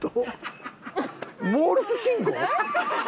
モールス信号？